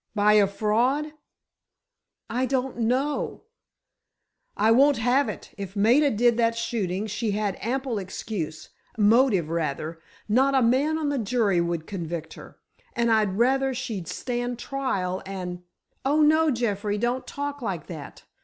"By a fraud?" "I don't know——" "I won't have it! If Maida did that shooting she had ample excuse—motive, rather. Not a man on a jury would convict her. And I'd rather she'd stand trial and——" "Oh, no, Jeffrey, don't talk like that!